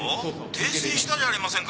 訂正したじゃありませんか。